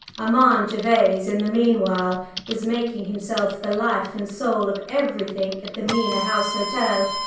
Armand Gervase in the meanwhile was making himself the life and soul of everything at the Mena House Hotel.